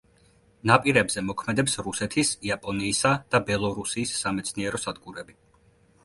ნაპირებზე მოქმედებს რუსეთის, იაპონიისა და ბელორუსის სამეცნიერო სადგურები.